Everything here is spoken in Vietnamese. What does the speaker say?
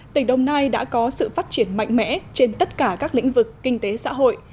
tỉnh đồng nai đã có sự phát triển mạnh mẽ trên tất cả các lĩnh vực kinh tế xã hội